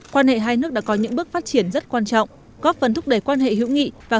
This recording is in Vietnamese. quan hệ hai nước đã có những bước phát triển rất quan trọng